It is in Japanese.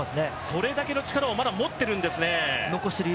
それだけの力を持っているんですね。